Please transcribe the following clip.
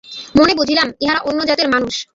মনে বুঝিলাম, ইহারা অন্য জাতের মানুষ।